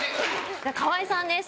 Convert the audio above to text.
川合さんです。